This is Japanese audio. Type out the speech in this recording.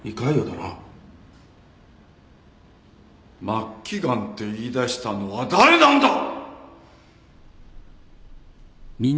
末期がんって言いだしたのは誰なんだ！